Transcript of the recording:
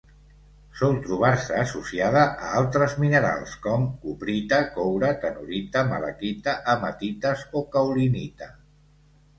Sol trobar-se associada a altres minerals com: cuprita, coure, tenorita, malaquita, hematites o caolinita.